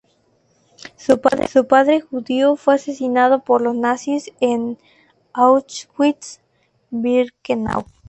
Su padre judío fue asesinado por los nazis en Auschwitz-Birkenau.